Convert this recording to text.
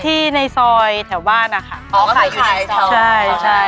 ที่ในซอยแถวบ้านอะค่ะขายอยู่ในซอยใช่